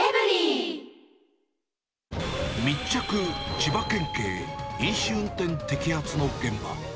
千葉県警、飲酒運転摘発の現場。